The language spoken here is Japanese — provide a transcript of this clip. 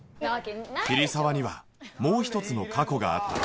桐沢にはもう一つの過去があった